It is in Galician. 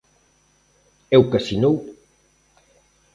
É o que asinou.